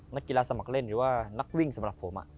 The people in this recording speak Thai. นักกีฬาสมัครเล่นหรือว่านักวิ่งสำหรับผม